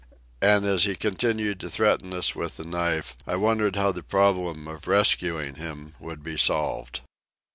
And as he continued to threaten us with the knife I wondered how the problem of rescuing him would be solved.